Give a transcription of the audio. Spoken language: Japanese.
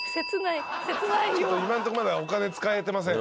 今んとこまだお金使えてません。